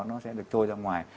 nó sẽ được trôi ra ngoài